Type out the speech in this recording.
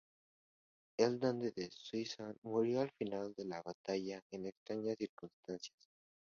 El conde de Soissons murió al final de la batalla en extrañas circunstancias.